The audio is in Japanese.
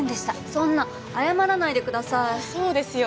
そんな謝らないでくださいそうですよ